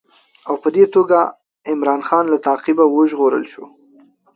او په دې توګه عمرا خان له تعقیبه وژغورل شو.